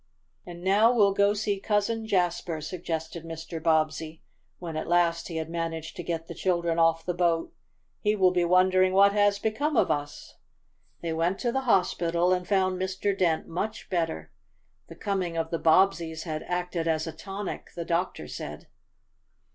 "And now we'll go see Cousin Jasper," suggested Mr. Bobbsey, when at last he had managed to get the children off the boat. "He will be wondering what has become of us." They went to the hospital, and found Mr. Dent much better. The coming of the Bobbseys had acted as a tonic, the doctor said.